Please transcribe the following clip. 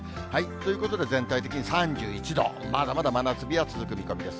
ということで全体的に３１度、まだまだ真夏日が続く見込みです。